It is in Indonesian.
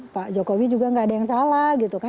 pak jokowi juga gak ada yang salah